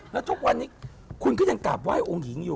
แล้วทุกวันนี้คุณก็ยังกราบไห้องค์หญิงอยู่